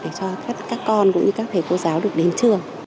để cho các con cũng như các thầy cô giáo được đến trường